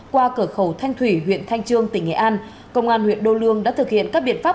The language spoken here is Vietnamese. qua cửa khẩu thanh thủy huyện thanh trương tỉnh nghệ an công an huyện đô lương đã thực hiện các biện pháp